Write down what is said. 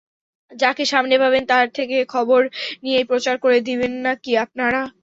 যাকে সামনে পাবেন তার থেকে খবর নিয়েই প্রচার করে দিবেন না কি আপনারা?